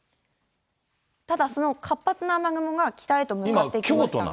ただその活発な雨雲が北へと向かってきましたので。